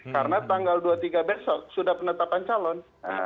karena tanggal dua puluh tiga besok sudah penetapan calon